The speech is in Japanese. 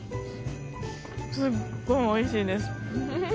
すっごいおいしいです。